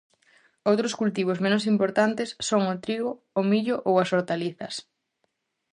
Outros cultivos menos importantes son o trigo, o millo ou as hortalizas.